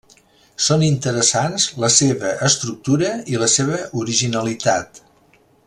Són interessants la seva estructura i la seva originalitat.